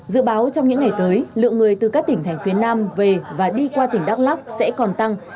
dự báo trong những ngày tới lượng người từ các tỉnh thành phía nam về và đi qua tỉnh đắk lắc sẽ còn tăng